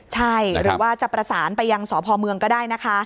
ใช่หรือว่าจะประสานไปยังสพเมืองก็ได้นะคะ